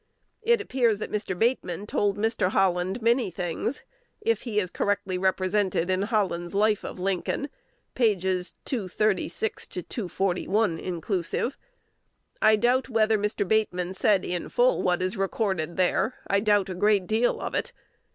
It appears that Mr. Bateman told Mr. Holland many things, if he is correctly represented in Holland's "Life of Lincoln" (pp. 236 241, inclusive). I doubt whether Mr. Bateman said in full what is recorded there: I doubt a great deal of it.